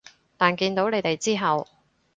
但見到你哋之後